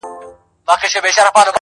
د غمونو درته مخ د خوښۍ شا سي!!